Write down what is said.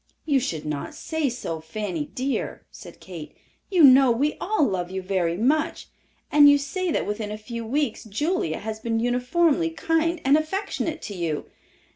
"You should not say so, Fanny dear," said Kate. "You know we all love you very much, and you say that within a few weeks Julia has been uniformly kind and affectionate to you."